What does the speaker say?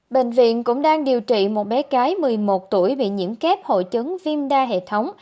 bệnh viện cũng đang điều trị một bé gái một mươi một tuổi bị nhiễm kép hội chứng viêm đa hệ thống